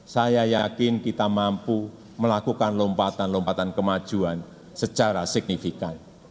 saya yakin kita mampu melakukan lompatan lompatan kemajuan secara signifikan